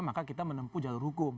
maka kita menempuh jalur hukum